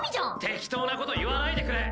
適当な事言わないでくれ！